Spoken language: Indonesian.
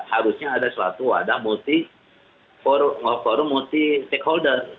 harusnya ada suatu wadah multi corum multi stakeholder